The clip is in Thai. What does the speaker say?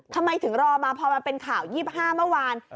ทำไมถึงรอมาพอมันเป็นข่าว๒๕เมื่อวาน